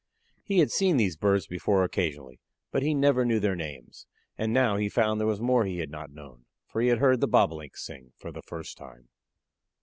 He had seen these birds before occasionally, but he never knew their names, and now he found there was more he had not known, for he had heard the Bobolink sing for the first time.